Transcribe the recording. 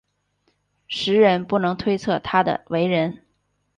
时人不能推测他的为人。